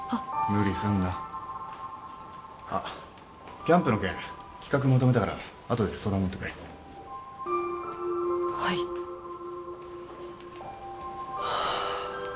無理すんなあっキャンプの件企画まとめたからあとで相談に乗ってくれはいはあ